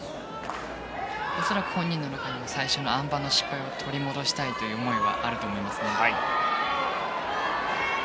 恐らく本人の中に最初のあん馬の失敗を取り戻したいという思いはあると思いますね。